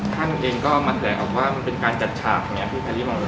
ท่านเองก็มาแสดงออกว่ามันเป็นการจัดฉากเนี่ย